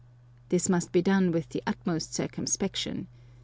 This must be done with the utmost circumspection.